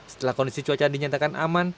setelah kondisi cuaca dinyatakan aman